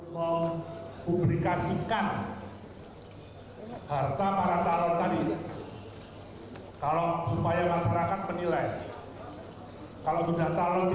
memublikasikan harta para calon tadi